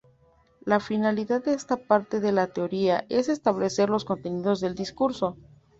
La finalidad de esta parte de la retórica es establecer los contenidos del discurso.